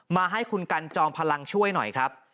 มาให้คุณกันจอมพลังช่วยหน่อยครับ